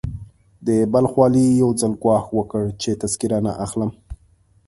د بلخ والي يو ځل ګواښ وکړ چې تذکره نه اخلم.